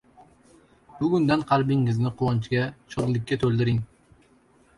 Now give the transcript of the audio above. Bugundan qalbingizni quvonchga, shodlikka toʻldiring.